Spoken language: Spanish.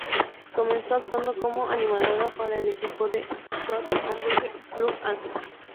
Comenzó actuando como animadora para el equipo de squad Hamburg Blue Angels.